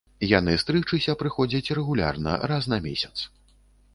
Яны стрыгчыся прыходзяць рэгулярна, раз на месяц.